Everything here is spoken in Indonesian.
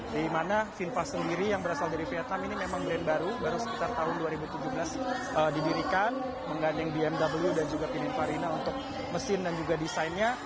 dimana finfast sendiri yang berasal dari vietnam ini memang brand baru baru sekitar tahun dua ribu tujuh belas dibirikan mengandung bmw dan juga p v rina untuk mesin dan juga desainnya